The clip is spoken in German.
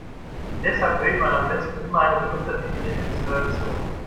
Deshalb wählt man am besten immer eine benutzerdefinierte Installation.